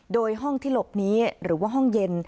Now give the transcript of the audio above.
โดยห้องที่หลบนี้หรือว่าห้องเย็น